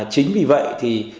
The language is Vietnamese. chính vì vậy thì